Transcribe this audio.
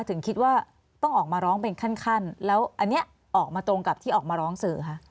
ถึงคิดว่าต้องออกมาร้องเป็นขั้นแล้วอันนี้ออกมาตรงกับที่ออกมาร้องสื่อคะ